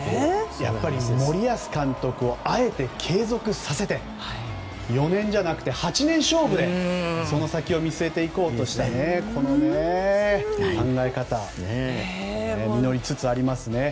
やっぱり森保監督をあえて継続させて４年じゃなくて８年勝負でその先を見据えていこうというこの考え方が実りつつありますね。